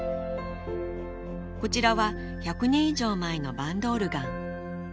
こちらは１００年以上前のバンドオルガン